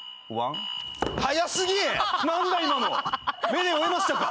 目で追えましたか？